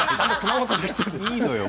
いいのよ。